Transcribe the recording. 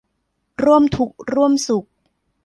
ร่วมทุกข์ร่วมสุข